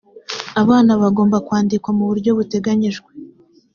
abana bagomba kwandikwa mu buryo buteganyijwe